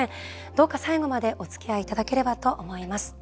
どうか最後までおつきあいいただければと思います。